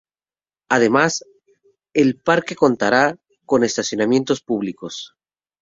Además, el parque contará con estacionamientos públicos.